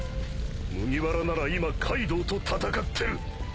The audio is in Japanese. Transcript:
麦わらなら今カイドウと戦ってる！